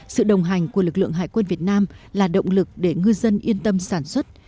sự đồng hành của lực lượng hải quân việt nam là động lực để ngư dân yên tâm sản xuất